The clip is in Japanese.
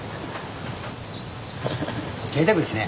ぜいたくですね。